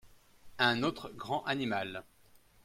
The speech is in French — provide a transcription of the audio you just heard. Un autre grand animal.